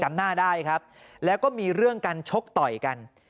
หน้าได้ครับแล้วก็มีเรื่องกันชกต่อยกัน